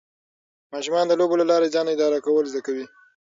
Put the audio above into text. ماشومان د لوبو له لارې ځان اداره کول زده کوي.